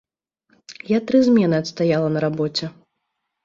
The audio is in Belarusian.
Я тры змены адстаяла на рабоце.